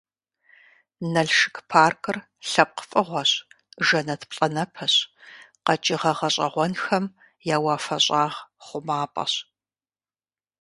Налшык паркыр лъэпкъ фӀыгъуэщ, жэнэт плӀанэпэщ, къэкӀыгъэ гъэщӀэгъуэнхэм я «уафэщӀагъ хъумапӀэщ».